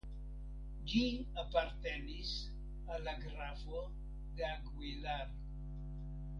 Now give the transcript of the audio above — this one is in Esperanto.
Ĝi apartenis al la grafo de Aguilar.